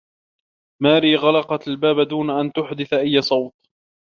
ماري غلقت الباب دون أن تحدث أي صوت.